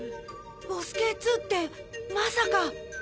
ボスＫー２ってまさか。